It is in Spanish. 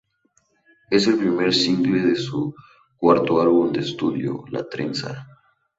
Es el primer single de su cuarto álbum de estudio, "La Trenza".